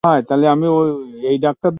রমেশ জিজ্ঞাসা করিল, তুই কোথায় ছিলি?